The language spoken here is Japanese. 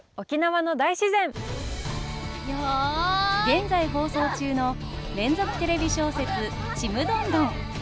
現在放送中の連続テレビ小説「ちむどんどん」。